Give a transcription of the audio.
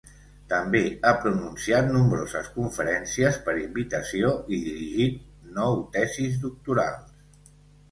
També ha pronunciat nombroses conferències per invitació i dirigit nou tesis doctorals.